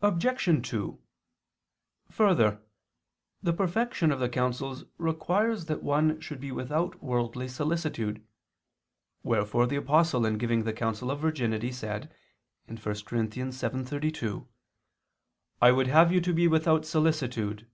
Obj. 2: Further, the perfection of the counsels requires that one should be without worldly solicitude; wherefore the Apostle in giving the counsel of virginity said (1 Cor. 7:32): "I would have you to be without solicitude."